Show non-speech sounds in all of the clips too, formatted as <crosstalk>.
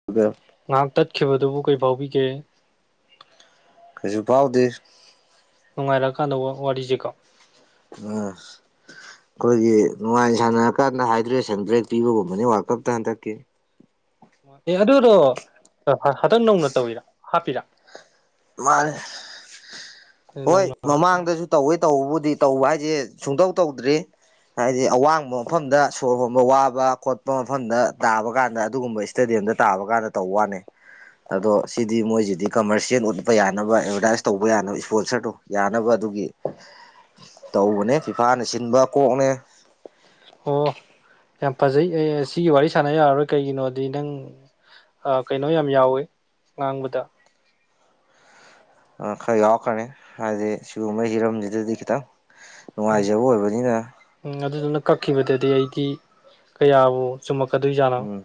<unintelligible> ꯉꯍꯥꯛ ꯇꯠꯈꯤꯕꯗꯨꯕꯨ ꯀꯔꯤ ꯐꯥꯎꯕꯤꯒꯦ ꯀꯩꯁꯨ ꯐꯥꯎꯗꯦ ꯅꯨꯡꯉꯥꯏꯔꯛꯑꯀꯥꯟꯗ ꯋꯥ ꯋꯥꯔꯤꯁꯦꯀꯣ ꯑꯝ ꯑꯩꯈꯣꯏꯒꯤ ꯅꯨꯡꯉꯥꯏꯅ ꯁꯥꯟꯅꯔꯀꯥꯟꯗ ꯍꯥꯏꯗ꯭ꯔꯦꯁꯟ ꯕ꯭ꯔꯦꯛ ꯄꯤꯕꯒꯨꯝꯕꯅꯤ ꯋꯥꯜꯀꯞꯇ ꯍꯟꯗꯛꯀꯤ ꯑꯣ ꯑꯦ ꯑꯗꯨꯗꯣ ꯍ ꯍꯗꯛ ꯅꯧꯅ ꯇꯧꯋꯤꯔ ꯍꯥꯞꯄꯤꯔꯥ ꯃꯥꯅꯦ ꯍꯣꯏ ꯅꯧꯅ ꯍꯥꯞꯄ ꯃꯃꯥꯡꯗꯁꯨ ꯇꯧꯋꯦ ꯇꯧꯕꯕꯨꯗꯤ ꯇꯧꯕ ꯍꯥꯏꯁꯦ ꯁꯨꯡꯇꯧ ꯇꯧꯗ꯭ꯔꯤ ꯍꯥꯏꯗꯤ ꯑꯋꯥꯡꯕ ꯃꯐꯝꯗ ꯁꯣꯔ ꯍꯣꯟꯕ ꯋꯥꯕ ꯈꯣꯠꯄ ꯃꯐꯝꯗ ꯇꯥꯕ ꯀꯥꯟꯗ ꯑꯗꯨꯒꯨꯝꯕ ꯏꯁꯇꯦꯗꯤꯌꯝꯗ ꯇꯥꯕ ꯀꯥꯟꯗ ꯇꯧꯕ ꯋꯥꯅꯦ ꯑꯗꯣ ꯁꯤꯗꯤ ꯃꯣꯏꯁꯤꯗꯤ ꯀꯝꯃꯔꯁꯤꯌꯦꯜ ꯕ ꯌꯥꯅꯕ ꯑꯦꯗꯕꯔꯗꯥꯏꯁ ꯇꯧꯕ ꯌꯥꯅꯕ ꯏꯁꯄꯣꯟꯁꯔꯗꯣ ꯌꯥꯅꯕ ꯑꯗꯨꯒꯤ ꯇꯧꯕꯅꯦ ꯐꯤꯐꯥꯅ ꯁꯤꯟꯕ ꯀꯣꯛꯅꯦ ꯑꯣ ꯌꯥꯝ ꯐꯖꯩ ꯑꯦ ꯁꯤꯒꯤ ꯋꯥꯔꯤ ꯁꯥꯟꯅ ꯌꯥꯔꯔꯣꯏ ꯀꯩꯒꯤꯅꯣꯗꯤ ꯅꯪ ꯀꯩꯅꯣ ꯌꯥꯝ ꯌꯥꯎꯋꯤ ꯉꯥꯡꯕꯗ ꯑ ꯈꯔ ꯌꯥꯎꯔꯛꯈ꯭ꯔꯅꯤ ꯍꯥꯏꯗꯤ ꯁꯤꯒꯨꯝꯕꯩ ꯍꯤꯔꯝꯁꯤꯗꯗꯤ ꯈꯤꯇꯪ ꯎꯝ ꯅꯨꯡꯉꯥꯏꯖꯕ ꯑꯣꯏꯕꯅꯤꯅ ꯎꯝ ꯑꯗꯨꯗꯨꯅ ꯀꯛꯈꯤꯕꯗꯗꯤ ꯑꯩꯗꯤ ꯀꯌꯥꯕꯨ ꯆꯨꯝꯃꯛꯀꯗꯣꯏꯖꯥꯠꯅꯣ ꯎꯝ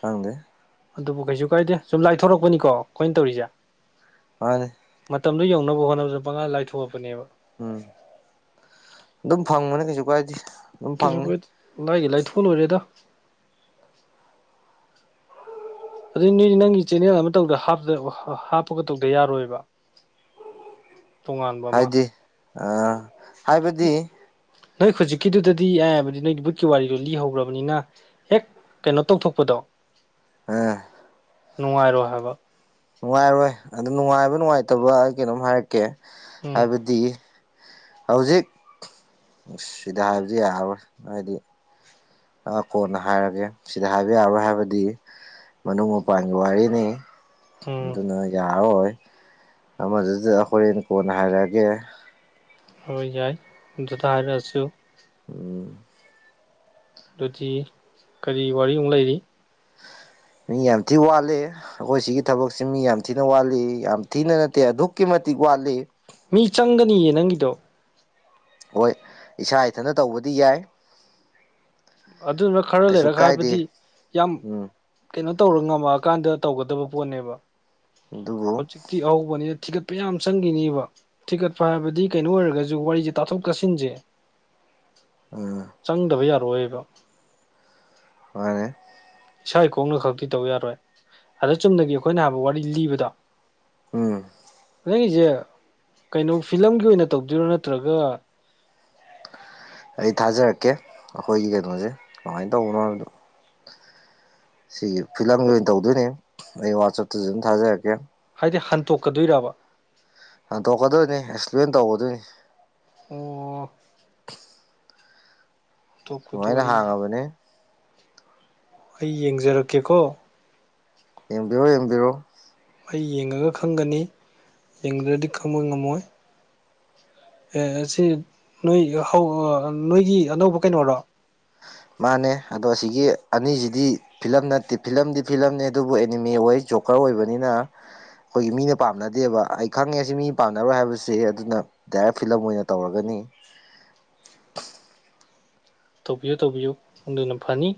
ꯈꯪꯗꯦ ꯑꯗꯨꯕꯨ ꯀꯩꯁꯨ ꯀꯥꯏꯗꯦ ꯁꯨꯝ ꯂꯥꯏꯊꯣꯔꯛꯄꯅꯤꯀꯣ ꯑꯩꯈꯣꯏꯅ ꯇꯧꯔꯤꯁꯦ ꯃꯥꯅꯦ ꯃꯇꯝꯗꯨ ꯌꯧꯅꯕ ꯍꯣꯠꯅꯕꯗ ꯄꯪꯂꯥꯢ ꯂꯥꯏꯊꯣꯛꯑꯕꯅꯦꯕ ꯎꯝ ꯑꯗꯨꯝ ꯐꯪꯕꯅꯤ ꯀꯩꯁꯨ ꯀꯥꯏꯗꯦ ꯑꯗꯨꯝ ꯀꯩꯁꯨ ꯐꯪꯅꯤ <unintelligible> ꯂꯥꯏꯒꯤ ꯂꯥꯏꯊꯣꯛ ꯂꯣꯏꯔꯦꯗ ꯑꯗꯨꯏ ꯅꯣꯏꯗꯤ ꯅꯪꯒꯤ ꯆꯦꯅꯦꯜ ꯑꯃ ꯇꯧꯗ ꯍꯥꯞꯄꯒ ꯇꯧꯗ ꯌꯥꯔꯣꯏꯕ ꯇꯣꯉꯥꯟꯕ ꯑꯃ ꯍꯥꯏꯗꯤ ꯑꯥ ꯍꯥꯏꯕꯗꯤ ꯅꯣꯏ ꯍꯧꯖꯤꯛꯀꯤꯗꯨꯗꯗꯤ ꯌꯥꯏꯕꯗꯤ ꯅꯣꯏꯒꯤ ꯕꯨꯠꯀꯤ ꯋꯥꯔꯤꯗꯣ ꯂꯤꯍꯧꯒ꯭ꯔꯕꯅꯤꯅ ꯍꯦꯛ ꯀꯩꯅꯣ ꯇꯧꯊꯣꯛꯄꯗꯣ ꯑꯥ ꯅꯨꯡꯉꯥꯏꯔꯣ ꯍꯥꯏꯕ ꯅꯨꯡꯉꯥꯏꯔꯣꯏ ꯑꯗꯨ ꯅꯨꯡꯉꯥꯏꯕ ꯅꯨꯡꯉꯥꯏꯇꯕ ꯑꯩ ꯀꯩꯅꯣꯝ ꯍꯥꯏꯔꯛꯀꯦ ꯎꯝ ꯍꯥꯏꯕꯗꯤ ꯍꯧꯖꯤꯛ ꯁꯤꯗ ꯍꯥꯏꯕꯗꯤ ꯌꯥꯔꯔꯣꯏ ꯍꯥꯏꯗꯤ ꯑ ꯀꯣꯟꯅ ꯍꯥꯏꯔꯒꯦ ꯁꯤꯗ ꯍꯥꯏꯕ ꯌꯥꯔꯣꯏ ꯍꯥꯏꯕꯗꯤ ꯃꯅꯨꯡ ꯃꯄꯥꯟꯒꯤ ꯋꯥꯔꯤꯅꯤ ꯎꯝ ꯑꯗꯨꯅ ꯌꯥꯔꯣꯏ ꯑꯃꯗꯨꯗ ꯍꯣꯔꯦꯟ ꯀꯣꯟꯅ ꯍꯥꯏꯔꯛꯑꯒꯦ ꯑꯣꯏ ꯌꯥꯏ ꯑꯗꯨꯗ ꯍꯥꯏꯔꯛꯑꯁꯨ ꯎꯝ ꯑꯗꯨꯗꯤ ꯀꯔꯤ ꯋꯥꯔꯤ ꯑꯃꯨꯛ ꯂꯩꯔꯤ ꯅꯪ ꯌꯥꯝ ꯊꯤ ꯋꯥꯠꯂꯤꯍꯦ ꯑꯈꯣꯏ ꯁꯤꯒꯤ ꯊꯕꯛꯁꯤ ꯃꯤ ꯌꯥꯝ ꯊꯤꯅ ꯋꯥꯠꯂꯤ ꯌꯥꯝ ꯊꯤꯅ ꯅꯠꯇꯦ ꯑꯗꯨꯛꯀꯤ ꯃꯇꯤꯛ ꯋꯥꯠꯂꯤ ꯃꯤ ꯆꯪꯒꯅꯤꯌꯦ ꯅꯪꯒꯤꯗꯣ ꯍꯣꯏ ꯏꯁꯥ ꯏꯊꯟꯗ ꯇꯧꯕꯗꯤ ꯌꯥꯏ ꯑꯗꯨꯗꯨꯅ ꯈꯔ ꯀꯩꯁꯨ ꯂꯩꯔꯒ ꯀꯥꯏꯗꯦ ꯍꯥꯏꯕꯗꯤ ꯌꯥꯝ ꯎꯝ ꯀꯩꯅꯣ ꯇꯧꯔ ꯉꯝꯃꯛꯑꯀꯥꯟꯗ ꯇꯧꯒꯗꯕ ꯄꯣꯠꯅꯦꯕ ꯑꯗꯨꯕꯨ ꯍꯧꯖꯤꯛꯇꯤ ꯑꯍꯧꯕꯅꯤꯅ ꯊꯤꯒꯠ ꯄꯌꯥꯝ ꯆꯪꯒꯤꯅꯤꯕ ꯊꯤꯀꯠꯄ ꯍꯥꯏꯕꯗꯤ ꯀꯩꯅꯣ ꯑꯣꯏꯔꯒꯁꯨ ꯋꯥꯔꯤꯁꯦ ꯇꯥꯊꯣꯛ ꯇꯥꯁꯤꯟꯁꯦ ꯎꯝ ꯆꯪꯗꯕ ꯌꯥꯔꯛꯑꯣꯏꯕ ꯃꯥꯅꯦ ꯏꯁꯥꯏ ꯀꯣꯛꯅ ꯈꯛꯇꯤ ꯇꯧ ꯌꯥꯔꯣꯏ ꯑꯗ ꯆꯨꯝꯅꯒꯤ ꯑꯩꯈꯣꯏꯅ ꯍꯥꯏꯕ ꯋꯥꯔꯤ ꯂꯤꯕꯗꯣ ꯎꯝ ꯅꯪꯒꯤꯁꯦ ꯀꯩꯅꯣ ꯐꯤꯂꯝꯒꯤ ꯑꯣꯏꯅ ꯇꯧꯗꯣꯏꯔꯣ ꯅꯠꯇ꯭ꯔꯒ ꯑꯩ ꯊꯥꯖꯔꯛꯀꯦ ꯑꯩꯈꯣꯏꯒꯤ ꯀꯩꯅꯣꯁꯦ ꯀꯃꯥꯏꯅ ꯇꯧꯕꯅꯣ ꯍꯥꯏꯕꯗꯣ ꯁꯤꯒꯤ ꯐꯤꯂꯝꯒꯤ ꯑꯣꯏꯅ ꯇꯧꯗꯣꯏꯅꯤ ꯑꯩ ꯋꯥꯆꯞꯇꯁꯨ ꯑꯗꯨꯝ ꯊꯥꯖꯔꯛꯀꯦ ꯍꯥꯏꯗꯤ ꯍꯟꯇꯣꯛꯀꯗꯣꯏꯔꯥꯕ ꯍꯟꯇꯣꯛꯀꯗꯣꯏꯅꯤ ꯑꯦꯛꯁꯄ꯭ꯂꯦꯟ ꯇꯧꯒꯗꯣꯏꯅꯤ ꯑꯣ ꯍꯟꯇꯣꯛꯄꯗꯣ ꯁꯨꯃꯥꯏꯅ ꯑꯩ ꯍꯥꯡꯉꯕꯅꯦ ꯑꯩ ꯌꯦꯡꯖꯔꯛꯀꯦꯀꯣ ꯌꯦꯡꯕꯤꯔꯣ ꯌꯦꯡꯕꯤꯔꯣ ꯑꯩ ꯌꯦꯡꯉꯒ ꯈꯪꯒꯅꯤ ꯌꯦꯡꯗ꯭ꯔꯗꯤ ꯈꯪꯕ ꯉꯝꯃꯣꯏ ꯑꯦ ꯁꯤ ꯅꯣꯏ ꯍꯧ ꯅꯣꯏꯒꯤ ꯑꯅꯧꯕ ꯀꯩꯅꯣꯔꯣ ꯃꯥꯅꯦ ꯑꯗꯣ ꯑꯁꯤꯒꯤ ꯑꯅꯤꯁꯤꯗꯤ ꯐꯤꯂꯝ ꯅꯠꯇꯦ ꯐꯤꯂꯝꯗꯤ ꯐꯤꯂꯝꯅꯤ ꯑꯗꯨꯕꯨ ꯑꯦꯅꯤꯃꯦ ꯑꯣꯏ ꯖꯣꯀꯔ ꯑꯣꯏꯕꯅꯤꯅ ꯑꯩꯈꯣꯏꯒꯤ ꯃꯤꯅ ꯄꯥꯝꯅꯗꯦꯕ ꯑꯩ ꯈꯪꯉꯦ ꯁꯤ ꯃꯤ ꯄꯥꯝꯅꯔꯣꯏ ꯍꯥꯏꯕꯁꯦ ꯑꯗꯨꯅ ꯗꯥꯏꯔꯦꯛ ꯐꯤꯂꯝ ꯑꯣꯏꯅ ꯇꯧꯔꯒꯅꯤ ꯇꯧꯕꯤꯌꯨ ꯇꯧꯕꯤꯌꯨ ꯑꯗꯨꯅ ꯐꯅꯤ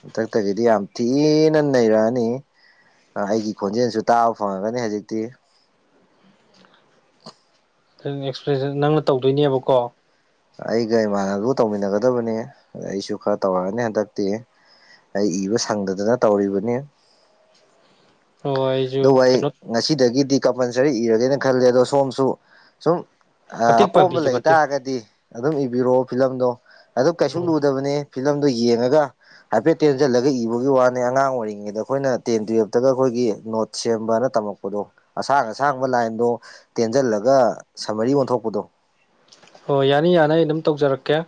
ꯍꯟꯗꯛꯇꯒꯤꯗꯤ ꯌꯥꯝ ꯊꯤꯅ ꯅꯩꯔꯛꯑꯅꯤ ꯑꯩꯒꯤ ꯈꯣꯟꯖꯦꯜꯁꯨ ꯇꯥꯕ ꯐꯪꯉꯒꯅꯤ ꯍꯧꯖꯤꯛꯇꯤ ꯑꯦꯛꯁꯄ꯭ꯂꯦꯟꯁ ꯅꯪꯅ ꯇꯧꯗꯣꯏꯅꯦꯕꯀꯣ ꯑꯩꯒ ꯏꯃꯥꯟꯅꯕꯗꯨꯒ ꯇꯧꯃꯤꯟꯅꯒꯗꯕꯅꯤ ꯑꯩꯁꯨ ꯈꯔ ꯇꯧꯔꯛꯑꯅꯤ ꯍꯟꯗꯛꯇꯤ ꯑꯩ ꯏꯕ ꯁꯪꯗꯗꯅ ꯇꯧꯔꯤꯕꯅꯤ ꯑꯣ ꯑꯩꯁꯨ ꯑꯗꯨꯕꯨ ꯑꯩ ꯀꯩꯅꯣ ꯉꯁꯤꯗꯒꯤꯗꯤ ꯀꯝꯄꯜꯁꯔꯤ ꯏꯔꯒꯦꯅ ꯈꯜꯂꯦ ꯑꯗꯣ ꯁꯣꯝꯁꯨ ꯁꯨꯝ ꯃꯇꯦꯡ ꯑꯀꯣꯝꯕ ꯄꯥꯡꯕꯤꯒꯦ ꯃꯇꯦꯡ ꯂꯩꯇꯥꯥꯔꯒꯗꯤ ꯑꯗꯨꯝ ꯏꯕꯤꯔꯛꯑꯣ ꯐꯤꯂꯝꯗꯣ ꯑꯗꯨ ꯀꯩꯁꯨ ꯎꯝ ꯂꯨꯗꯕꯅꯤ ꯐꯤꯂꯝꯗꯨ ꯌꯦꯡꯉꯒ ꯍꯥꯏꯐꯦꯠ ꯇꯦꯟꯖꯜꯂꯒ ꯏꯕꯒꯤ ꯋꯥꯅꯦ ꯑꯉꯥꯡ ꯑꯣꯏꯔꯤꯉꯩꯗ ꯑꯩꯈꯣꯏꯅ ꯇꯦꯟ ꯇꯨꯌꯦꯜꯞꯇꯒ ꯑꯩꯈꯣꯏꯒꯤ ꯅꯣꯠ ꯁꯦꯝꯕꯅ ꯇꯝꯃꯛꯄꯗꯣ ꯑꯁꯥꯡ ꯑꯁꯥꯡꯕ ꯂꯥꯏꯟꯗꯣ ꯇꯦꯟꯖꯜꯂꯒ ꯁꯝꯃꯔꯤ ꯑꯣꯟꯊꯣꯛꯄꯗꯣ ꯍꯣꯏ ꯌꯥꯅꯤ ꯌꯥꯅꯤ ꯑꯗꯨꯝ ꯇꯧꯖꯔꯛꯀꯦ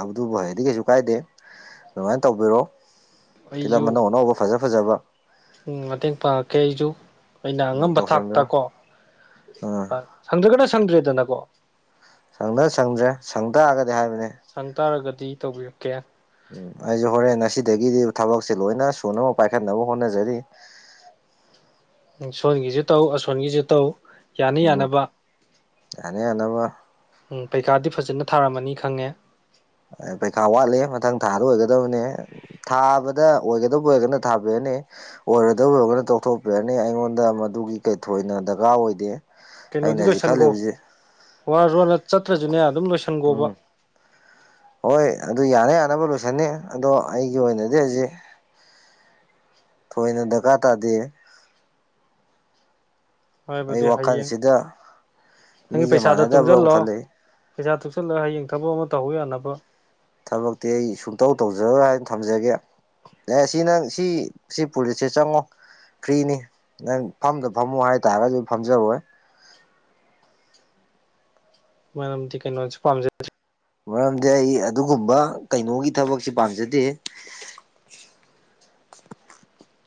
ꯑꯗꯨꯕꯨ ꯍꯩꯔꯗꯤ ꯀꯩꯁꯨ ꯀꯥꯏꯗꯦ ꯑꯗꯨꯃꯥꯏꯅ ꯇꯧꯕꯤꯔꯣ ꯐꯤꯂꯝ ꯑꯩꯁꯨ ꯑꯅꯧ ꯑꯅꯧꯕ ꯐꯖ ꯐꯖꯕ ꯎꯝ ꯃꯇꯦꯡ ꯄꯥꯡꯉꯛꯀꯦ ꯑꯩꯖꯨ ꯑꯩꯅ ꯎꯝ ꯑꯉꯝꯕ ꯊꯥꯛꯇ ꯇꯧꯁꯟꯕꯤꯔꯣ ꯀꯣ ꯎꯝ ꯍꯣꯏ ꯁꯪꯗ꯭ꯔꯒꯅ ꯁꯪꯗ꯭ꯔꯦꯗꯅꯀꯣ ꯁꯪꯗ ꯁꯪꯗ꯭ꯔꯦ ꯁꯪꯇꯥꯔꯒꯗꯤ ꯍꯥꯏꯕꯅꯦ ꯁꯪ ꯇꯥꯔꯒꯗꯤ ꯇꯧꯕꯤꯔꯛꯀꯦ ꯎꯝ ꯑꯩꯁꯨ ꯍꯣꯔꯦꯟ ꯉꯁꯤꯗꯒꯤꯗꯤ ꯊꯕꯛꯁꯦ ꯂꯣꯏꯅ ꯁꯨꯅꯕ ꯄꯥꯏꯈꯠꯅꯕ ꯍꯣꯠꯅꯖꯔꯤ ꯎꯝ ꯁꯣꯟꯒꯤꯁꯨ ꯇꯧ ꯑꯁꯣꯟꯒꯤꯁꯨ ꯇꯧ ꯌꯥꯅꯤ ꯎꯝ ꯌꯥꯅꯕ ꯌꯥꯅ ꯌꯥꯅꯕ ꯎꯝ ꯄꯩꯈꯥꯗꯤ ꯐꯖꯅ ꯊꯥꯔꯝꯃꯅꯤ ꯈꯪꯉꯦ ꯄꯩꯈꯥ ꯋꯥꯠꯂꯤ ꯃꯊꯪ ꯊꯥꯗ ꯑꯣꯏꯒꯗꯕꯅꯦ ꯊꯥꯕꯗ ꯑꯣꯏꯒꯗꯕ ꯑꯣꯏꯔꯒꯅ ꯊꯥꯕꯤꯅꯤ ꯑꯣꯏꯔꯣꯢꯗꯧꯑꯣꯢꯔꯒꯅ ꯇꯣꯛꯊꯣꯛꯄꯤꯔꯅꯤ ꯑꯩꯉꯣꯟꯗ ꯃꯗꯨꯒꯤ ꯀꯩ ꯊꯣꯏꯅ ꯗꯔꯀꯥꯔ ꯑꯣꯏꯗꯦ ꯑꯩꯅ ꯀꯩꯅꯣꯗꯤ ꯍꯧꯖꯤꯛ ꯂꯣꯏꯁꯟꯈꯣ ꯈꯜꯂꯤꯕꯁꯤ ꯋꯥꯔꯖꯨ ꯋꯥꯅ ꯆꯠꯇ꯭ꯔꯁꯨꯅꯦ ꯑꯗꯨꯝ ꯂꯣꯏꯁꯟꯈꯣꯕ ꯎꯝ ꯍꯣꯏ ꯑꯗꯨ ꯌꯥꯅ ꯌꯥꯅꯕ ꯂꯣꯏꯁꯟꯅꯤ ꯑꯗꯣ ꯑꯩꯒꯤ ꯑꯣꯏꯅꯗꯤ ꯍꯧꯖꯤꯛ ꯊꯣꯏꯅ ꯗꯔꯀꯥꯔ ꯇꯥꯗꯦ ꯑꯩ ꯍꯥꯢꯕꯗꯤ ꯍꯌꯦꯡ ꯋꯥꯈꯜꯁꯤꯗ ꯅꯪꯒꯤ ꯃꯤꯒ ꯄꯩꯁꯥꯗꯣ ꯃꯥꯟꯅꯗꯕ꯭ꯔ ꯑꯃ ꯇꯨꯡꯁꯤꯜꯂꯣ ꯈꯜꯂꯛꯏ ꯄꯩꯁꯥ ꯇꯨꯡꯁꯤꯜꯂꯒ ꯍꯌꯦꯡ ꯊꯕꯛ ꯑꯃ ꯇꯧꯍꯧ ꯌꯥꯅꯕ ꯊꯕꯛꯇꯤ ꯑꯩ ꯁꯨꯡꯇꯧ ꯇꯧꯖꯔꯣꯏ ꯍꯥꯏꯅ ꯊꯝꯖꯒꯦ ꯑꯦ ꯁꯤ ꯅꯪ ꯁꯤ ꯁꯤ ꯄꯨꯂꯤꯁꯁꯦ ꯆꯪꯉꯣ ꯐ꯭ꯔꯤꯅꯤ ꯅꯪ ꯐꯝꯗ ꯐꯝꯃꯨ ꯍꯥꯏꯇꯥꯔꯒꯁꯨ ꯐꯝꯖꯔꯣꯏ ꯃꯔꯝꯗꯤ ꯀꯩꯅꯣ ꯄꯥꯝꯖꯗꯔꯦ ꯃꯔꯝꯗꯤ ꯑꯩ ꯑꯗꯨꯒꯨꯝꯕ ꯀꯩꯅꯣꯒꯤ ꯊꯕꯛꯁꯤ ꯄꯥꯝꯖꯗꯦ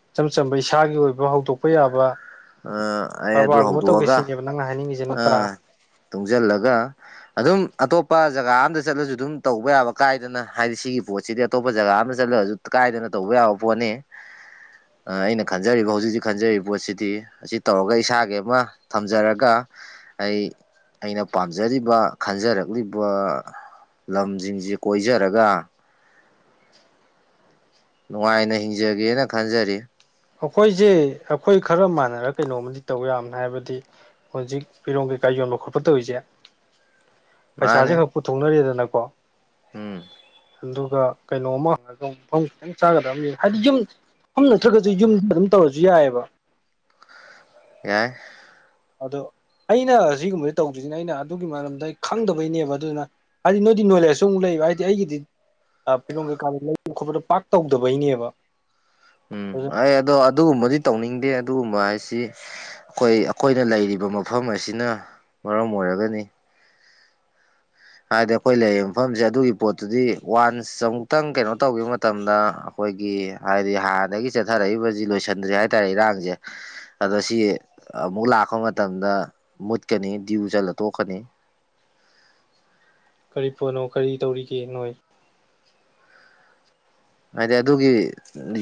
ꯏꯆꯝ ꯆꯝꯕ ꯏꯁꯥꯒꯤ ꯑꯣꯏꯕ ꯍꯧꯗꯣꯛꯄ ꯌꯥꯕ ꯑ ꯑꯩ ꯑꯗꯨ ꯀꯔꯕꯥꯔꯒꯨꯝꯕ ꯇꯧꯒꯦ ꯍꯧꯗꯣꯛꯑꯒ ꯁꯤꯅꯦꯕ ꯅꯪꯅ ꯍꯥꯏꯅꯤꯡꯉꯤꯁꯦ ꯑꯥ ꯅꯠꯇ꯭ꯔꯥ ꯇꯨꯡꯁꯤꯜꯂꯒ ꯑꯗꯨꯝ ꯑꯇꯣꯞꯄ ꯖꯒꯥ ꯑꯃꯝꯗ ꯆꯠꯂꯁꯨ ꯑꯗꯨꯝ ꯇꯧꯕ ꯌꯥꯕ ꯀꯥꯏꯗꯅ ꯍꯥꯏꯗꯤ ꯁꯤꯒꯤ ꯄꯣꯠꯁꯤꯗꯤ ꯑꯇꯣꯞꯄ ꯖꯒꯥ ꯑꯃꯗ ꯆꯠꯂꯁꯨ ꯀꯥꯏꯗꯅ ꯇꯧꯕ ꯌꯥꯕ ꯄꯣꯠꯅꯤ ꯑꯩꯅ ꯈꯟꯖꯔꯤꯕ ꯍꯧꯖꯤꯛ ꯍꯧꯖꯤꯛ ꯈꯟꯖꯔꯤꯕ ꯄꯣꯠꯁꯤꯗꯤ ꯑꯁꯤ ꯇꯧꯔꯒ ꯏꯁꯥꯒꯤ ꯑꯃ ꯊꯝꯖꯔꯒ ꯑꯩ ꯑꯩꯅ ꯄꯥꯝꯖꯔꯤꯕ ꯈꯟꯖꯔꯛꯂꯤꯕ ꯂꯝꯁꯤꯡꯁꯤ ꯀꯣꯏꯖꯔꯒ ꯅꯨꯡꯉꯥꯏꯅ ꯍꯤꯡꯖꯒꯦꯅ ꯈꯟꯖꯔꯤ ꯑꯩꯈꯣꯏꯖꯦ ꯑꯩꯈꯣꯏ ꯈꯔ ꯃꯥꯟꯅꯔ ꯀꯩꯅꯣꯃꯗꯤ ꯇꯧ ꯌꯥꯕꯅ ꯍꯥꯏꯕꯗꯤ ꯍꯧꯖꯤꯛ ꯐꯤꯔꯣꯜ ꯀꯩꯀꯥ ꯌꯣꯟꯕ ꯈꯣꯠꯄ ꯇꯧꯔꯤꯁꯦ ꯄꯩꯁꯥꯁꯦ ꯃꯥꯅꯦ ꯈꯔ ꯄꯨꯊꯣꯛꯅꯔꯦꯗꯅꯀꯣ ꯎꯝ ꯑꯗꯨꯒ ꯀꯩꯅꯣ ꯑꯃ ꯃꯐꯝ ꯈꯤꯇꯪ ꯆꯥꯒꯗꯕ ꯍꯥꯏꯗꯤ ꯌꯨꯝ ꯃꯐꯝ ꯅꯠꯇ꯭ꯔꯒꯁꯨ ꯑꯗꯨ ꯌꯨꯝꯗ ꯑꯗꯨꯝ ꯇꯧꯔꯖꯨ ꯌꯥꯏꯑꯕ ꯌꯥꯏ ꯑꯗꯣ ꯑꯩꯅ ꯁꯤꯒꯨꯝꯕꯁꯤ ꯇꯧꯗ꯭ꯔꯤꯁꯤꯅ ꯑꯩꯅ ꯑꯗꯨꯒꯤ ꯃꯔꯝꯗ ꯑꯩ ꯈꯪꯗꯕꯩꯅꯦꯕ ꯑꯗꯨꯅ ꯍꯥꯢꯗꯤ ꯅꯣꯢꯗꯤ ꯅꯣꯂꯦꯖꯁꯨ ꯑꯃꯨꯛ ꯂꯩꯕ ꯍꯥꯢꯗꯤ ꯑꯩꯒꯤꯗꯤ ꯐꯤꯔꯣꯝ ꯀꯩꯀꯥꯗ ꯂꯩꯕ ꯈꯣꯠꯄꯗꯣ ꯄꯥꯛ ꯇꯧꯗꯕꯩꯅꯦꯕ ꯎꯝ ꯑꯗꯨ ꯑꯩ ꯑꯗꯣ ꯑꯗꯨꯒꯨꯝꯕꯗꯤ ꯇꯧꯅꯤꯡꯗꯦ ꯑꯗꯨꯒꯨꯝꯕ ꯍꯥꯏꯁꯤ ꯑꯈꯣꯏ ꯑꯈꯣꯏꯅ ꯂꯩꯔꯤꯕ ꯃꯐꯝ ꯑꯁꯤꯅ ꯃꯔꯝ ꯑꯣꯏꯔꯒꯅꯤ ꯍꯥꯏꯗꯤ ꯑꯩꯈꯣꯏ ꯂꯩꯔꯤꯕ ꯃꯐꯝꯖꯦ ꯑꯗꯨꯒꯤ ꯄꯣꯠꯇꯨꯗꯤ ꯋꯥꯟꯁ ꯑꯃꯨꯛꯇꯪ ꯀꯩꯅꯣ ꯇꯧꯈꯤꯕ ꯃꯇꯝꯗ ꯑꯩꯈꯣꯏꯒꯤ ꯍꯥꯏꯗꯤ ꯍꯥꯟꯅꯗꯒꯤ ꯆꯠꯊꯔꯛꯏꯕꯖꯤ ꯂꯣꯏꯁꯟꯗ꯭ꯔꯤ ꯍꯥꯏꯇꯥꯔꯦ ꯏꯔꯥꯡꯖꯦ ꯑꯗ ꯁꯤ ꯑꯃꯨꯛ ꯂꯥꯛꯄ ꯃꯇꯝꯗ ꯃꯨꯠꯀꯅꯤ ꯗ꯭ꯌꯨ ꯆꯠꯂ ꯇꯣꯛꯀꯅꯤ ꯀꯔꯤ ꯄꯣꯠꯅꯣ ꯀꯔꯤ ꯇꯧꯔꯤꯒꯦ ꯅꯣꯏ ꯍꯥꯏꯗꯤ ꯑꯗꯨꯒꯤ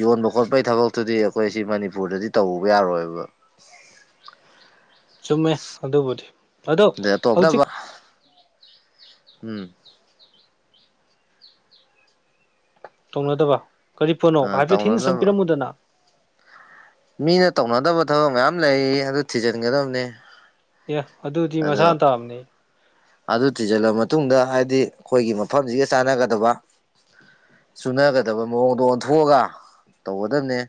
ꯌꯣꯟꯕ ꯈꯣꯠꯄꯩ ꯊꯕꯛꯇꯨꯗꯤ ꯑꯩꯈꯣꯏ ꯁꯤ ꯃꯅꯤꯄꯨꯔꯗꯗꯤ ꯇꯧꯕ ꯌꯥꯔꯣꯏꯕ ꯆꯨꯝꯃꯦ ꯑꯗꯨꯕꯨꯗꯤ ꯑꯗꯣ ꯑꯗꯩ ꯑꯇꯣꯞ ꯍꯧꯖꯤꯛ ꯎꯝ ꯇꯧꯅꯗꯕ ꯀꯔꯤ ꯄꯣꯠꯅꯣ ꯍꯥꯏꯐꯦꯠ ꯍꯤꯟꯁ ꯑꯃ ꯇꯧꯅꯗꯕ ꯄꯤꯔꯝꯃꯨꯗꯅ ꯃꯤꯅ ꯇꯧꯅꯗꯕ ꯊꯕꯛ ꯃꯌꯥꯝ ꯂꯩꯌꯦ ꯑꯗꯨ ꯊꯤꯖꯤꯟꯒꯗꯕꯅꯤ ꯑꯦ ꯑꯗꯨꯗꯤ ꯃꯁꯥꯅ ꯇꯥꯕꯅꯦ ꯑꯗꯨ ꯊꯤꯖꯜꯂ ꯃꯇꯨꯡꯗ ꯍꯥꯏꯗꯤ ꯑꯩꯈꯣꯏꯒꯤ ꯃꯐꯝꯖꯤꯒ ꯆꯥꯟꯅꯒꯗꯕ ꯆꯨꯅꯒꯗꯕ ꯃꯑꯣꯡꯗ ꯑꯣꯟꯊꯣꯛꯑꯒ ꯇꯧꯒꯗꯕꯅꯦ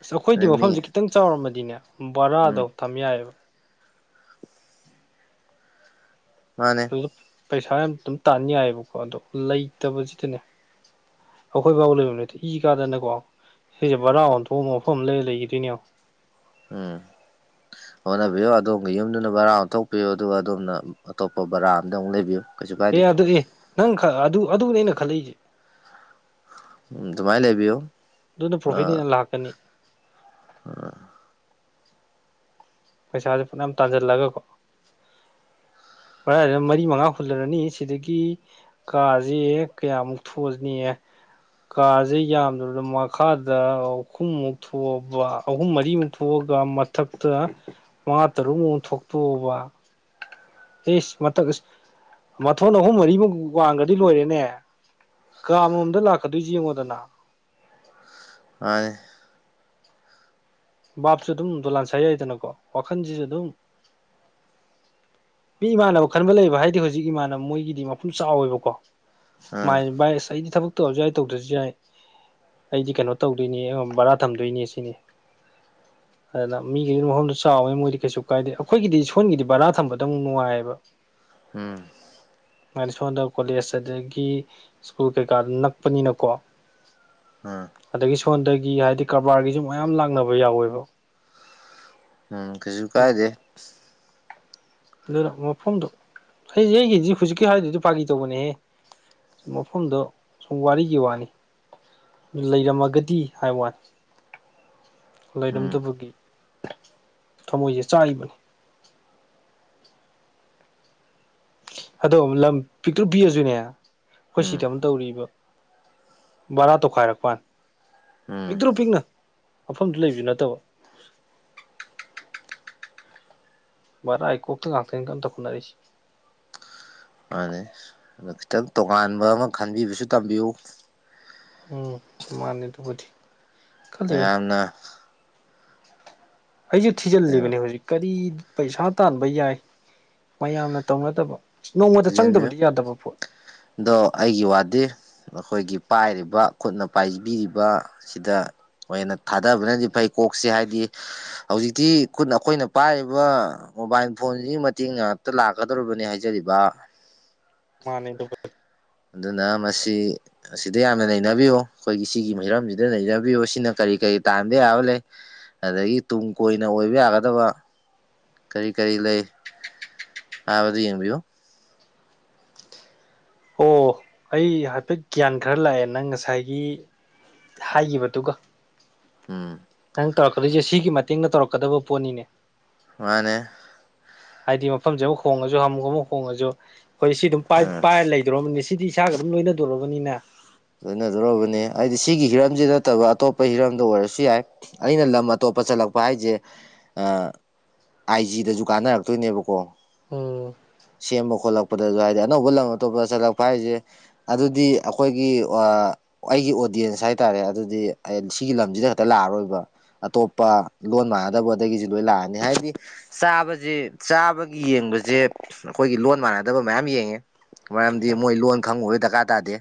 ꯑꯁ ꯑꯩꯈꯣꯏꯗꯤ ꯑꯗ ꯃꯤ ꯃꯐꯝꯖꯦ ꯈꯤꯇꯪ ꯆꯥꯎꯔꯝꯃꯗꯤꯅꯦ ꯕꯔꯥꯗꯣ ꯎꯝ ꯊꯝ ꯌꯥꯏꯕ ꯃꯥꯟꯅꯦ ꯑꯗꯨꯗ ꯄꯩꯁꯥ ꯌꯥꯝ ꯗꯨꯝ ꯇꯥꯟ ꯌꯥꯏꯕꯀꯣ ꯑꯗꯣ ꯂꯩꯇꯕꯖꯤꯗꯅꯦ ꯑꯈꯣꯏ ꯕꯥꯥꯎ ꯂꯩꯕꯝ ꯂꯩꯇꯦ ꯏ ꯀꯥꯗꯅꯀꯣ ꯁꯤꯁꯦ ꯕꯔꯥ ꯑꯣꯟꯊꯣꯛꯑꯃ ꯃꯐꯝ ꯑꯃ ꯂꯩꯔ ꯂꯩꯒꯤꯗꯣꯏꯅꯦ ꯌꯣꯡꯉꯣ ꯎꯝ ꯍꯣꯠꯅꯕꯤꯌꯨ ꯑꯗꯣꯝꯒꯤ ꯌꯨꯝꯗꯨꯅ ꯕꯔꯥ ꯑꯣꯟꯊꯣꯛꯄꯤꯌꯨ ꯑꯗꯨꯒ ꯑꯗꯣꯝꯅ ꯑ-ꯑꯇꯣꯞꯄ ꯕꯔꯥ ꯑꯃꯗ ꯑꯃꯨꯛ ꯂꯩꯕꯤꯌꯨ ꯀꯩꯁꯨ ꯀꯥꯏꯗꯦ ꯑꯦ ꯑꯗꯨ ꯑꯦ ꯅꯪ-ꯈ ꯑꯗꯨ ꯑꯗꯨꯅꯦ ꯑꯩꯅ ꯈꯜꯂꯛꯏꯖꯦ ꯎꯝ ꯑꯗꯨꯃꯥꯏ ꯂꯩꯕꯤꯌꯨ ꯑꯗꯨꯅ ꯄ꯭ꯔꯣꯐꯤꯠ ꯍꯦꯟꯅ ꯂꯥꯛꯀꯅꯤ ꯑ ꯄꯩꯁꯥꯖꯦ ꯐꯅꯌꯥꯝ ꯇꯥꯟꯖꯜꯂꯒꯀꯣ ꯕꯥꯔꯥꯖꯦ ꯃꯔꯤ ꯃꯉꯥ ꯍꯨꯜꯂꯔꯅꯤ ꯁꯤꯗꯒꯤ ꯀꯥꯖꯤ ꯀꯌꯥꯃꯨꯛ ꯊꯣꯖꯅꯤ ꯀꯥꯖꯦ ꯌꯥꯝꯗ꯭ꯔꯕꯗ ꯃꯈꯥꯗ ꯑꯍꯨꯝꯃꯨꯛ ꯊꯣꯛꯑꯕ ꯑꯍꯨꯝ ꯃꯔꯤꯃꯨꯛ ꯊꯣꯛꯑꯒ ꯃꯊꯛꯇ ꯃꯉꯥ ꯇꯔꯨꯛꯃꯨꯛ ꯊꯣꯛꯇꯣꯛꯑꯕ ꯏꯁ ꯃꯊꯛ ꯑꯁ ꯃꯊꯣꯟ ꯑꯍꯨꯝ ꯃꯔꯤꯃꯨꯛ ꯋꯥꯡꯒ꯭ꯔꯗꯤ ꯂꯣꯏꯔꯦꯅꯦ ꯀꯥ ꯑꯃꯃꯝꯗ ꯂꯥꯛꯀꯗꯣꯏꯖꯦ ꯌꯦꯡꯉꯣꯗꯅ ꯃꯥꯟꯅꯤ ꯕꯥꯞꯁꯨ ꯑꯗꯨꯝ ꯗꯣꯂꯥꯟ ꯁꯥ ꯌꯥꯏꯗꯅꯀꯣ ꯋꯥꯈꯟꯖꯤꯖꯨ ꯑꯗꯨꯝ ꯃꯤ ꯏꯃꯥꯟꯅꯕ ꯈꯟꯕ ꯂꯩꯕ ꯍꯥꯏꯗꯤ ꯍꯨꯖꯤꯛ ꯏꯃꯥꯟꯅꯕ ꯃꯣꯏꯒꯤꯗꯤ ꯃꯄꯝ ꯆꯥꯎꯋꯦꯕꯀꯣ ꯑꯥ ꯃꯥꯍꯥꯏꯅꯦ ꯕꯥꯏ ꯑꯁ ꯑꯩꯗꯤ ꯊꯕꯛ ꯇꯧꯔꯖꯨ ꯌꯥꯏ ꯇꯧꯗ꯭ꯔꯖꯨ ꯌꯥꯏ ꯑꯩꯗꯤ ꯀꯩꯅꯣ ꯇꯧꯗꯣꯏꯅꯤ ꯑꯝ ꯕꯔꯥ ꯊꯝꯗꯣꯏꯅꯦ ꯁꯤꯅꯤ ꯑꯗꯨꯅ ꯃꯤꯒꯤꯅ ꯃꯐꯝꯗꯨ ꯆꯥꯎꯕꯅꯤꯅ ꯃꯣꯏꯗꯤ ꯀꯩꯁꯨ ꯀꯥꯏꯗꯦ ꯑꯩꯈꯣꯏꯒꯤꯗꯤ ꯁꯣꯟꯒꯤꯗꯤ ꯕꯔꯥ ꯊꯝꯕꯗ ꯑꯃꯨꯛ ꯅꯨꯡꯉꯥꯏꯕ ꯎꯝ ꯃꯥꯅꯤ ꯁꯣꯟꯗ ꯀꯣꯂꯦꯖ ꯑꯗꯒꯤ ꯁ꯭ꯀꯨꯜ ꯀꯩꯀꯥ ꯅꯛꯄꯅꯤꯅꯀꯣ ꯎꯝ ꯑꯗꯒꯤ ꯁꯣꯟꯗꯒꯤ ꯍꯥꯏꯗꯤ ꯀꯔꯕꯥꯔꯒꯤꯁꯨ ꯃꯌꯥꯝ ꯂꯥꯛꯅꯕ ꯌꯥꯎꯋꯦꯕ ꯎꯝ ꯀꯩꯁꯨ ꯀꯥꯏꯗꯦ ꯑꯗꯨꯅ ꯃꯐꯝꯗꯣ ꯑꯩꯁ ꯑꯩꯒꯤꯁꯤ ꯍꯧꯖꯤꯛꯀꯤ ꯍꯥꯏꯔꯤꯗꯗꯤ ꯄꯥꯒꯤ ꯇꯧꯕꯅꯦꯍꯦ ꯃꯐꯝꯗꯣ ꯁꯨꯝ ꯋꯥꯔꯤꯒꯤ ꯋꯥꯅꯤ ꯂꯩꯔꯝꯃꯒꯗꯤ ꯍꯥꯏ ꯋꯥꯅꯤ ꯎꯝ ꯂꯩꯔꯝꯗꯕꯒꯤ ꯊꯃꯣꯏꯖꯦ ꯆꯥꯛꯏꯕꯅꯤ ꯑꯗꯣ ꯂꯝ ꯄꯤꯛꯇ꯭ꯔꯨ ꯄꯤꯛꯑꯖꯨꯅꯦ ꯑꯩꯈꯣꯏ ꯎꯝ ꯁꯤꯗ ꯑꯃ ꯇꯧꯔꯤꯕ ꯕꯔꯥ ꯇꯧꯈꯥꯏꯔꯛꯄ꯭ꯋꯥꯅꯤ ꯎꯝ ꯄꯤꯛꯇ꯭ꯔꯨ ꯄꯤꯛꯅ ꯃꯐꯝꯖꯨ ꯂꯩꯕꯖꯨ ꯅꯠꯇꯕ ꯕꯥꯔꯥꯏ ꯀꯣꯛꯇ ꯉꯥꯛꯇꯅꯤ ꯀꯟꯅ ꯇꯧꯈꯠꯅꯔꯛꯏꯁꯦ ꯃꯥꯟꯅꯤ ꯈꯤꯇꯪ ꯇꯣꯉꯥꯟꯕ ꯑꯃ ꯈꯟꯕꯤꯕꯁꯨ ꯇꯝꯕꯤꯌꯨ ꯎꯝ ꯃꯥꯅꯤ ꯑꯗꯨꯕꯨꯗꯤ ꯈꯜꯂꯤꯕꯅꯤ ꯃꯌꯥꯝꯅ ꯑꯩꯁꯨ ꯀꯩꯅꯣ ꯊꯤꯖꯤꯜꯂꯤꯕꯅꯦ ꯍꯧꯖꯤꯛ ꯀꯔꯤ ꯄꯩꯁꯥ ꯇꯥꯟꯕ ꯌꯥꯏ ꯃꯌꯥꯝꯅ ꯇꯧꯅꯗꯕ ꯅꯣꯡꯃꯗ ꯊꯤꯖꯤꯟꯕꯤꯌꯨ ꯆꯪꯗꯕꯗꯤ ꯌꯥꯗꯕ ꯄꯣꯠ ꯑꯗꯣ ꯑꯩꯒꯤ ꯋꯥꯗꯤ ꯑꯩꯈꯣꯏꯒꯤ ꯄꯥꯏꯔꯤꯕ ꯈꯨꯠꯅ ꯄꯥꯏꯕꯤꯔꯤꯕꯁꯤꯗ ꯍꯅ ꯊꯥꯗꯕꯅꯗꯤ ꯐꯩ ꯀꯣꯛꯁꯦ ꯍꯥꯏꯗꯤ ꯍꯧꯖꯤꯛꯇꯤ ꯈꯨꯠ ꯑꯩꯈꯣꯏꯅ ꯄꯥꯏꯔꯤꯕ ꯃꯣꯕꯥꯏꯜ ꯐꯣꯟꯁꯤꯒꯤ ꯃꯇꯦꯡ ꯉꯇ ꯂꯥꯛꯀꯗꯧꯔꯤꯕꯅꯤ ꯍꯥꯏꯖꯔꯤꯕ ꯃꯥꯅꯦꯗꯨ ꯑꯗꯨꯅ ꯃꯁꯤ ꯑꯁꯤꯗ ꯌꯥꯝꯅ ꯅꯩꯅꯕꯤꯌꯨ ꯑꯩꯈꯣꯏꯒꯤ ꯁꯤꯒꯤ ꯍꯩꯔꯝꯁꯤꯗ ꯅꯩꯅꯕꯤꯌꯨ ꯁꯤꯅ ꯀꯔꯤ ꯀꯔꯤ ꯇꯥꯟꯕ ꯌꯥꯕ ꯂꯩ ꯑꯗꯒꯤ ꯇꯨꯡ ꯀꯣꯏꯅ ꯑꯣꯏꯕ ꯌꯥꯒꯗꯕ ꯀꯔꯤ ꯀꯔꯤ ꯂꯩ ꯍꯥꯏꯕꯗꯨ ꯌꯦꯡꯕꯤꯌꯨ ꯑꯣ ꯑꯩ ꯍꯥꯏꯐꯦꯠ ꯒ꯭ꯌꯥꯟ ꯈꯔ ꯂꯥꯛꯑꯦ ꯅꯪ ꯉꯁꯥꯏꯒꯤ ꯍꯥꯏꯈꯤꯕꯗꯨꯒ ꯎꯝ ꯅꯪ ꯇꯧꯔꯛꯀꯗꯣꯏꯁꯦ ꯁꯤꯒꯤ ꯃꯇꯦꯡꯅ ꯇꯧꯔꯛꯀꯗꯕ ꯄꯣꯠꯅꯤꯅꯦ ꯃꯥꯅꯦ ꯍꯥꯏꯗꯤ ꯃꯐꯝꯁꯦ ꯑꯃꯨꯛ ꯍꯣꯡꯉꯁꯨ ꯍꯥꯃꯨꯛ ꯑꯃꯨꯛ ꯍꯣꯡꯉꯁꯨ ꯑꯩꯈꯣꯏ ꯁꯤ ꯑꯗꯨꯝ ꯑ ꯄꯥꯏꯔ ꯂꯩ ꯀꯧꯔꯕꯅꯤ ꯁꯤꯗꯤ ꯏꯁꯥꯒ ꯑꯗꯨꯝ ꯂꯣꯏꯅꯗꯣꯔꯔꯕꯅꯤꯅ ꯂꯣꯏꯅꯗꯧꯔꯕꯅꯤ ꯍꯥꯏꯗꯤ ꯁꯤꯒꯤ ꯍꯤꯔꯝꯁꯤ ꯅꯠꯇꯕ ꯑꯇꯣꯞꯄ ꯍꯤꯔꯝꯗ ꯑꯣꯏꯔꯁꯨ ꯌꯥꯏ ꯑꯩꯅ ꯂꯝ ꯑꯇꯣꯞꯄ ꯆꯠꯂꯛꯄ ꯍꯥꯏꯁꯦ ꯑꯥꯏꯖꯤꯗꯁꯨ ꯀꯥꯟꯅꯔꯛꯇꯣꯏꯅꯦꯕꯀꯣ ꯑꯣ ꯁꯦꯝꯕ ꯈꯣꯠꯂꯛꯄꯗꯁꯨ ꯍꯥꯏꯗꯤ ꯑꯅꯧꯕ ꯂꯝ ꯑꯇꯣꯞꯄꯗ ꯆꯠꯂꯛꯄ ꯍꯥꯏꯁꯦ ꯑꯗꯨꯗꯤ ꯑꯩꯈꯣꯏꯒꯤ ꯑꯩꯒꯤ ꯑꯣꯗꯤꯌꯦꯟꯁ ꯍꯥꯏꯇꯥꯔꯦ ꯑꯗꯨꯗꯤ ꯁꯤꯒꯤ ꯂꯝꯁꯤꯗ ꯈꯛꯇ ꯂꯥꯛꯑꯔꯣꯏꯕ ꯑꯇꯣꯞꯄ ꯂꯣꯟ ꯃꯥꯟꯅꯗꯕꯗꯒꯤꯁꯨ ꯂꯣꯏ ꯂꯥꯛꯑꯅꯤ ꯍꯥꯏꯕꯗꯤ ꯆꯥꯕꯁꯦ ꯆꯥꯕꯒꯤ ꯌꯦꯡꯕꯁꯦ ꯑꯩꯈꯣꯏꯒꯤ ꯂꯣꯟ ꯃꯥꯟꯅꯗꯕ ꯃꯌꯥꯝ ꯌꯦꯡꯉꯦ ꯃꯔꯝꯗꯤ ꯃꯣꯏ ꯂꯣꯟ ꯈꯪꯕꯨꯕꯒꯤ ꯗꯔꯀꯥꯔ ꯇꯥꯗꯦ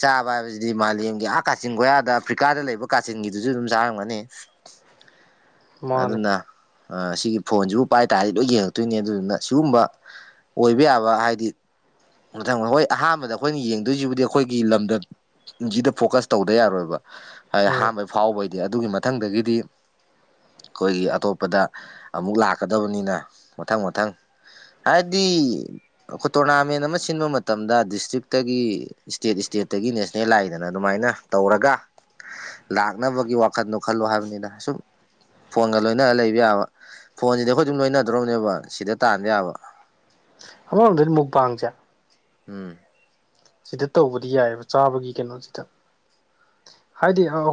ꯆꯥꯕ ꯍꯥꯏꯕꯁꯤꯗꯤ ꯃꯥꯂꯦꯝꯒꯤ ꯑꯥ ꯀꯥꯆꯤꯟ ꯀꯣꯌꯥꯗ ꯑꯐ꯭ꯔꯤꯀꯥꯗ ꯂꯩꯕ ꯀꯥꯆꯤꯟꯒꯤꯗꯨꯁꯨ ꯑꯗꯨꯝ ꯆꯥꯔꯝꯒꯅꯤ ꯃꯥꯅꯦ ꯑꯗꯨꯅ ꯁꯤꯒꯤ ꯐꯣꯟꯁꯤꯕꯨ ꯄꯥꯏ ꯇꯥꯔꯗꯤ ꯂꯣꯏ ꯌꯦꯡꯉꯛꯇꯣꯏꯅꯦ ꯑꯗꯨꯗꯨꯅ ꯁꯤꯒꯨꯝꯕ ꯑꯣꯏꯕ ꯌꯥꯕ ꯍꯥꯏꯗꯤ ꯃꯊꯪ ꯍꯣꯏ ꯑꯍꯥꯟꯕꯗ ꯑꯩꯈꯣꯏꯅ ꯌꯦꯡꯗꯣꯏꯁꯤꯕꯨꯗꯤ ꯑꯩꯈꯣꯏꯒꯤ ꯂꯝꯗꯝ ꯟꯁꯤꯗ ꯐꯣꯀꯁ ꯇꯧꯗ ꯌꯥꯔꯣꯏꯕ ꯍꯥꯏꯗꯤ ꯎꯝ ꯑꯍꯥꯟꯕꯩ ꯐꯥꯎꯕꯩꯗꯤ ꯑꯗꯨꯒꯤ ꯃꯊꯪꯗꯒꯤꯗꯤ ꯑꯩꯈꯣꯏꯒꯤ ꯑꯇꯣꯞꯄꯗ ꯑꯃꯨꯛ ꯂꯥꯛꯀꯗꯕꯅꯤꯅ ꯃꯊꯪ ꯃꯊꯪ ꯍꯥꯏꯗꯤ ꯑꯩꯈꯣꯏ ꯇꯣꯔꯅꯥꯃꯦꯟ ꯑꯃ ꯁꯤꯟꯕ ꯃꯇꯝꯗ ꯗꯤꯁꯇ꯭ꯔꯤꯛꯇꯒꯤ ꯏꯁꯇꯦꯠ ꯏꯁꯇꯦꯠꯇꯒꯤ ꯅꯦꯁꯅꯦꯜ ꯂꯥꯛꯏꯗꯅ ꯑꯗꯨꯃꯥꯏꯅ ꯇꯧꯔꯒ ꯂꯥꯛꯅꯕꯒꯤ ꯋꯥꯈꯜꯗꯣ ꯈꯜꯂꯣ ꯍꯥꯏꯕꯅꯤꯅ ꯑꯁꯨꯝ ꯐꯣꯟꯒ ꯂꯣꯏꯅ ꯂꯩꯕ ꯌꯥꯕ ꯐꯣꯟꯁꯤꯗꯤ ꯑꯩꯈꯣꯏ ꯑꯗꯨꯝ ꯂꯣꯏꯅꯗ꯭ꯔꯣꯅꯦꯕ ꯁꯤꯗ ꯇꯥꯟꯕ ꯌꯥꯕ ꯑꯃꯃꯛꯗꯅ ꯃꯛꯕꯥ ꯆ ꯎꯝ ꯁꯤꯗ ꯇꯧꯕꯗꯤ ꯌꯥꯏꯑꯕ ꯆꯥꯕꯒꯤ ꯀꯩꯅꯣꯁꯤꯗ ꯍꯥꯏꯗꯤ